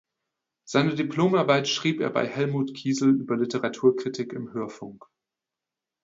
Seine Diplomarbeit schrieb er bei Helmuth Kiesel über Literaturkritik im Hörfunk.